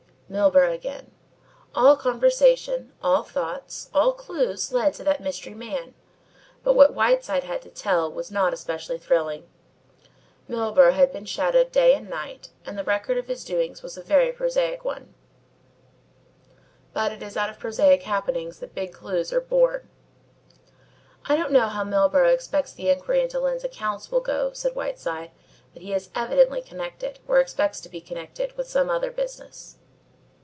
Milburgh again! All conversation, all thought, all clues led to that mystery man. But what Whiteside had to tell was not especially thrilling. Milburgh had been shadowed day and night, and the record of his doings was a very prosaic one. But it is out of prosaic happenings that big clues are born. "I don't know how Milburgh expects the inquiry into Lyne's accounts will go," said Whiteside, "but he is evidently connected, or expects to be connected, with some other business."